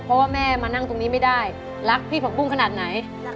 เพราะว่าแม่มานั่งตรงนี้ไม่ได้รักพี่ผักบุ้งขนาดไหน